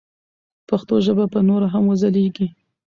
پښتو ژبه به نوره هم وځلیږي.